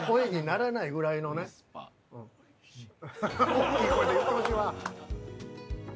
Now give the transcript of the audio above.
おっきい声で言ってほしいわ。